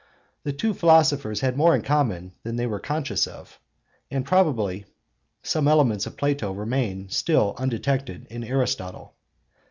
The two philosophers had more in common than they were conscious of; and probably some elements of Plato remain still undetected in Aristotle.